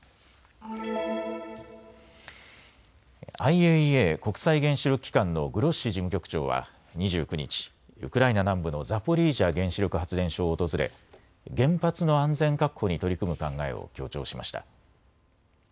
ＩＡＥＡ・国際原子力機関のグロッシ事務局長は２９日、ウクライナ南部のザポリージャ原子力発電所を訪れ原発の安全確保に取り組む考えを強調しました。